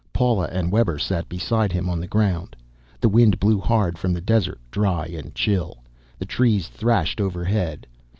Paula and Webber sat beside him, on the ground. The wind blew hard from the desert, dry and chill. The trees thrashed overhead.